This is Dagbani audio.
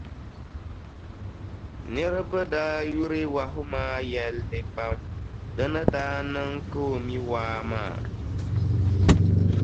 Niriba daa yuri wahu maa yɛlli pam di ni daa niŋ ka o mi waa maa.